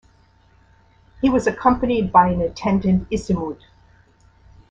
He was accompanied by an attendant Isimud.